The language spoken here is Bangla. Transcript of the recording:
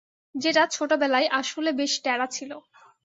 যেটা, ছোটবেলায়, আসলে বেশ ট্যারা ছিল।